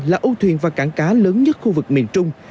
là âu thuyền và cảng cá lớn nhất khu vực miền trung